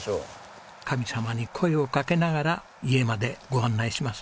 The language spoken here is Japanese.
神様に声をかけながら家までご案内します。